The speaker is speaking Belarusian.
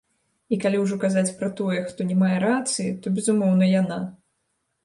І калі ўжо казаць пра тое, хто не мае рацыі, то, безумоўна, яна.